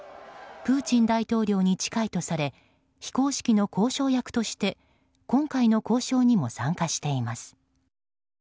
プーチン大統領に近いとされ非公式の交渉役として今回の交渉にも参加しています。